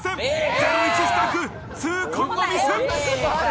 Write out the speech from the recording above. ゼロイチスタッフ、痛恨のミス。